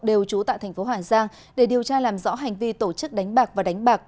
đều trú tại thành phố hà giang để điều tra làm rõ hành vi tổ chức đánh bạc và đánh bạc